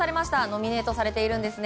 ノミネートされているんです。